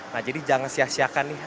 nah jadi jangan sia siakan nih